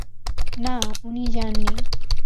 না, উনি যান নি।